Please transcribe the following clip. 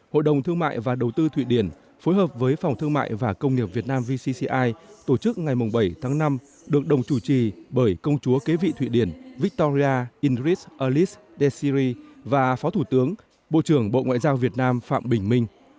hội đồng thương mại và đầu tư thụy điển phối hợp với phòng thương mại và công nghiệp việt nam vcci tổ chức ngày bảy tháng năm được đồng chủ trì bởi công chúa kế vị thụy điển victoria ingris alice diesyri và phó thủ tướng bộ trưởng bộ ngoại giao việt nam phạm bình minh